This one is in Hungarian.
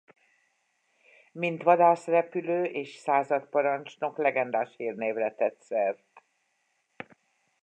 Mint vadászrepülő és századparancsnok legendás hírnévre tett szert.